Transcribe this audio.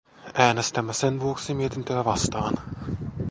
Äänestämme sen vuoksi mietintöä vastaan.